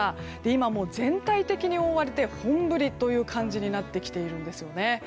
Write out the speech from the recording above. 今、全体的に覆われて本降りという感じになってきているんですね。